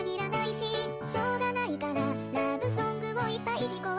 しょうがないからラブソングをいっぱい聴こう